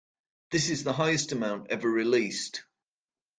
This is the highest amount ever released.